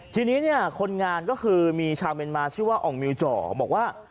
ทีนี้เนี่ยคนงานก็คือมีชาวเมียนมาชื่อว่าอ่องมิวจ่อบอกว่า